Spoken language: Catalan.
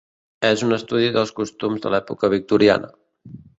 És un estudi dels costums de l'època victoriana.